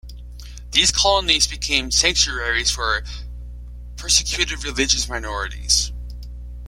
These colonies became sanctuaries for persecuted religious minorities.